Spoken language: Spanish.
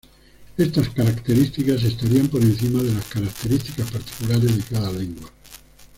Estas características estarían por encima de las características particulares de cada lengua.